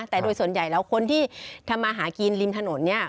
แต่โดยส่วนใหญ่แล้วคนที่ทำมาหากินริมถนนเนี่ย